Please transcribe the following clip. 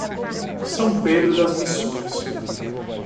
São Pedro das Missões